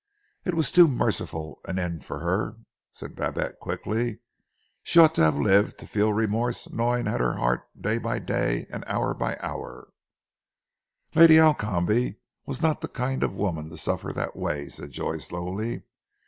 "It was too merciful an end for her!" said Babette quickly. "She ought to have lived to feel remorse gnawing at her heart day by day and hour by hour " "Lady Alcombe was not the kind of woman to suffer that way," said Joy slowly.